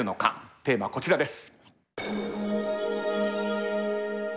テーマはこちらです。